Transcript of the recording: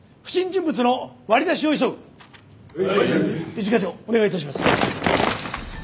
一課長お願い致します。